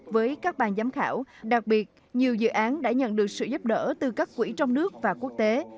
với các bàn giám khảo đặc biệt nhiều dự án đã nhận được sự giúp đỡ từ các quỹ trong nước và quốc tế